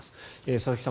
佐々木さん